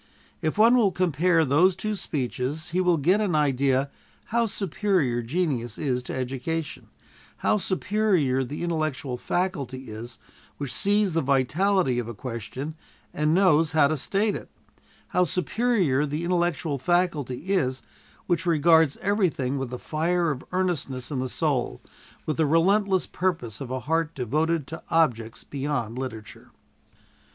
If one will compare those two speeches he will get an idea how superior genius is to education; how superior that intellectual faculty is which sees the vitality of a question and knows how to state it; how superior that intellectual faculty is which regards everything with the fire of earnestness in the soul, with the relentless purpose of a heart devoted to objects beyond literature.